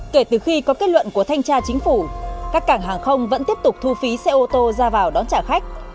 kể từ khi có kết luận của thanh tra chính phủ các cảng hàng không vẫn tiếp tục thu phí xe ô tô ra vào đón trả khách